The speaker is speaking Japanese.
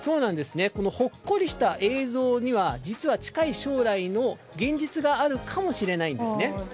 この、ほっこりした映像には実は、近い将来の現実があるかもしれないんです。